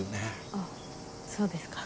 あっそうですか。